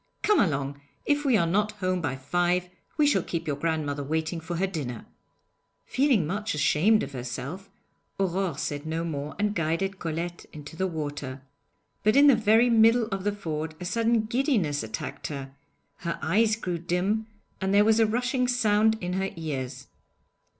Come along! If we are not home by five we shall keep your grandmother waiting for her dinner.' Feeling much ashamed of herself, Aurore said no more and guided Colette into the water. But in the very middle of the ford a sudden giddiness attacked her: her eyes grew dim, and there was a rushing sound in her ears.